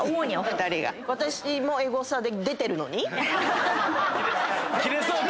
私もエゴサで出てるのに⁉キレそう！